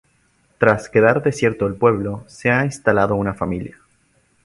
Tras quedar desierto el pueblo se ha instalado una familia